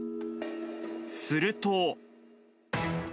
すると。